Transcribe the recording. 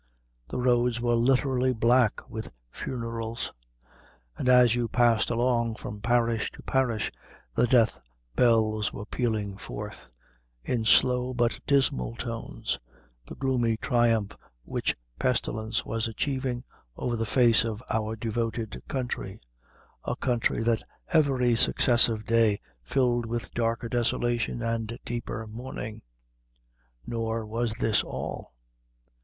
The roads were literally black with funerals, and as you passed along from parish to parish, the death bells were pealing forth, in slow but dismal tones, the gloomy triumph which pestilence was achieving over the face of our devoted country a country that each successive day filled with darker desolation and deeper mourning. Nor was this all.